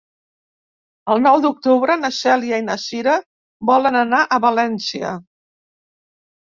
El nou d'octubre na Cèlia i na Cira volen anar a València.